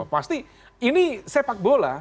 pasti ini sepak bola